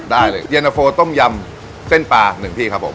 ได้เลยเยนโนโฟต้มยำเช่นปลา๑พี่ครับผม